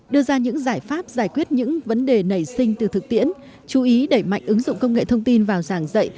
đưa ra những giải pháp giải quyết những vấn đề nảy sinh từ thực tiễn chú ý đẩy mạnh ứng dụng công nghệ thông tin vào giảng dạy